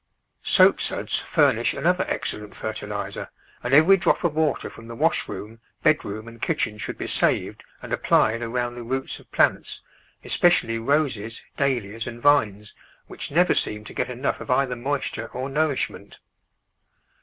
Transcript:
Soapsuds furnish another excellent fertiliser, and every drop of water from the wash room, bed room and kitchen should be saved and applied around the roots of plant9 — especially Roses, Dahlias, and vines, which never seem to get enough of either moisture or nourishment.